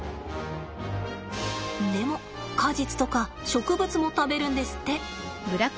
でも果実とか植物も食べるんですって。